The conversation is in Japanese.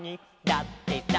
だってさ」